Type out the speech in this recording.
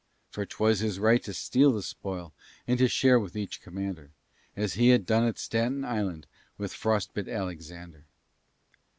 For 'twas his right to steal the spoil, and To share with each commander, As he had done at Staten Island With frost bit Alexander.